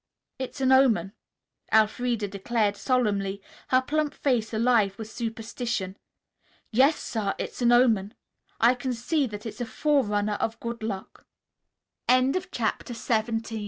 "It's an omen," Elfreda declared solemnly, her plump face alive with superstition. "Yes, sir; it's an omen. I can see that it's a fore runner of good luck." CHAPTER XVIII A GLEAM OF HOPE